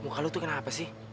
eh muka kamu itu kenapa sih